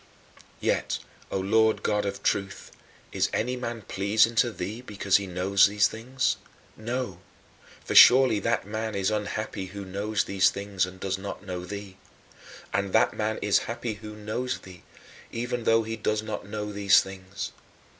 Yet, O Lord God of Truth, is any man pleasing to thee because he knows these things? No, for surely that man is unhappy who knows these things and does not know thee. And that man is happy who knows thee, even though he does not know these things.